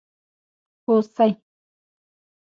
🦌 هوسي